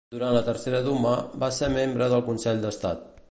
Durant la tercera Duma, va ser membre del Consell d'Estat.